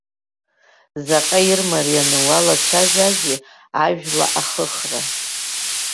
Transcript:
Заҟа ирмарианы уалацәажәазеи ажәла ахыхра!